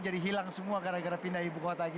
jadi hilang semua gara gara pindah ke ibu kota